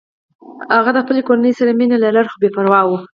هغه د خپلې کورنۍ سره مینه لرله خو بې پروا و